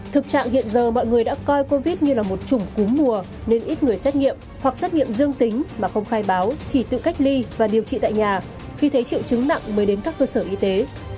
thực trạng hiện giờ mọi người đã coi covid như là một chủng cúm mùa nên ít người xét nghiệm hoặc xét nghiệm dương tính mà không khai báo chỉ tự cách ly và điều trị tại nhà khi thấy triệu chứng nặng mới đến các cơ sở y tế